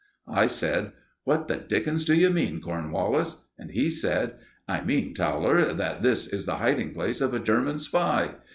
I said: "What the dickens do you mean, Cornwallis?" And he said: "I mean, Towler, that this is the hiding place of a German spy.